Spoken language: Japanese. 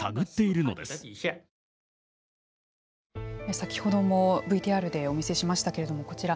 先ほどもＶＴＲでお見せしましたけれどもこちら。